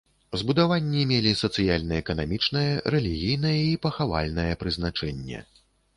Збудаванні мелі сацыяльна-эканамічнае, рэлігійнае і пахавальнае прызначэнне.